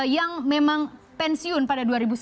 yang memang pensiun pada dua ribu sembilan belas